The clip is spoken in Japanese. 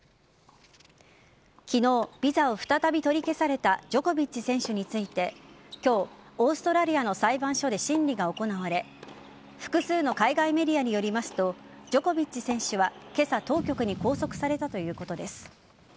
昨日、ビザを再び取り消されたジョコビッチ選手について今日、オーストラリアの裁判所で審理が行われ複数の海外メディアによりますとジョコビッチ選手は今朝当局に拘束されたということです。